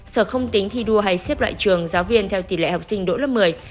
sở không tính thi đua hay xếp loại trường giáo viên theo tỷ lệ học sinh đỗ lớp một mươi